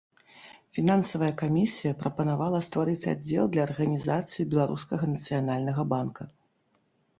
Фінансавая камісія прапанавала стварыць аддзел для арганізацыі беларускага нацыянальнага банка.